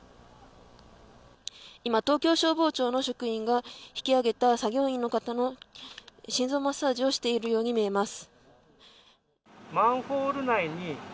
今、東京消防庁の職員が引き上げた作業員の方の心臓マッサージをしているように見えます。